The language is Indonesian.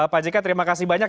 pak jk terima kasih banyak